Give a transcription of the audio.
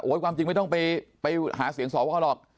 โอ๊ยความจริงไม่ต้องไปหาเสียงสวรรค์เขาหรอก